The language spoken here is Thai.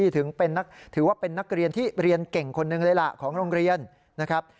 ถือว่าเป็นนักเรียนที่เรียนเก่งคนหนึ่งเลยล่ะของโรงเรียนนะครับ